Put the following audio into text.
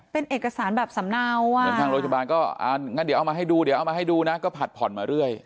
เป็นเอกสารแบบสำนาวว่าเดี๋ยวเอามาให้ดูเดี๋ยวเอามาให้ดูนะก็ผัดผ่อนมาเรื่อย